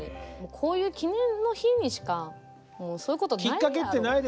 こういう記念の日にしかもうそういうことないやろうと。